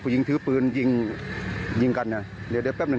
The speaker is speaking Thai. ยิงถือปืนยิงยิงกันอ่ะเดี๋ยวเดี๋ยวแป๊บหนึ่ง